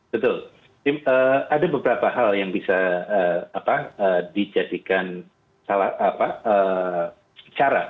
betul ada beberapa hal yang bisa dijadikan cara